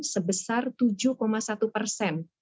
sebesar tujuh satu persen